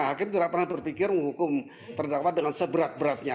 hakim tidak pernah berpikir menghukum terdakwa dengan seberat beratnya